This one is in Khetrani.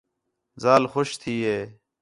ذال خوش تھی ہِے